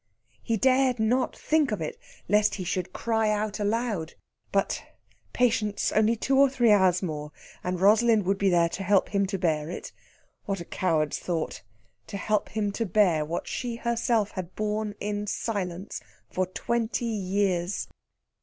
He dared not think of it lest he should cry out aloud. But, patience! Only two or three hours more, and Rosalind would be there to help him to bear it.... What a coward's thought! to help him to bear what she herself had borne in silence for twenty years!